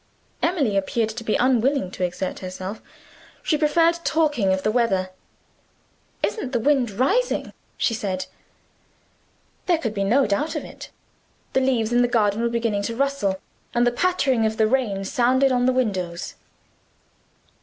Emily appeared to be unwilling to exert herself. She preferred talking of the weather. "Isn't the wind rising?" she said. There could be no doubt of it. The leaves in the garden were beginning to rustle, and the pattering of the rain sounded on the windows.